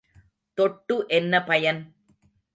தொட்டு என்ன பயன்?